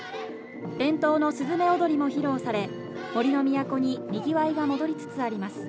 伝統の「すずめ踊り」も披露され、杜の都ににぎわいが戻りつつあります。